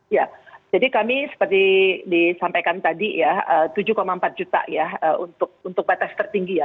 ya jadi kami seperti disampaikan tadi ya tujuh empat juta ya untuk batas tertinggi ya